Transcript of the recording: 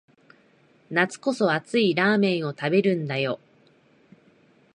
夏こそ熱いラーメンを食べるんだよ